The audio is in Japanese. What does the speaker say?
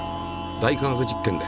「大科学実験」で。